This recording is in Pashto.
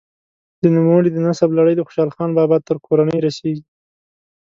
د نوموړي د نسب لړۍ د خوشحال خان بابا تر کورنۍ رسیږي.